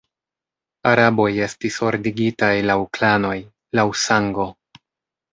Araboj estis ordigitaj laŭ klanoj, laŭ sango.